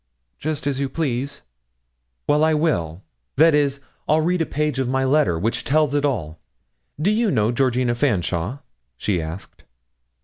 'Just as you please.' 'Well, I will that is, I'll read a page of my letter, which tells it all. Do you know Georgina Fanshawe?' she asked.